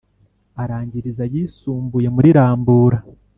arangiriza ayisumbuye muri rambura